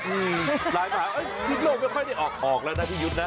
หลายพิษโลกไม่ค่อยได้ออกออกแล้วนะพี่ยุดนะ